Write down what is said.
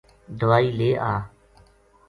دوائی لے آ“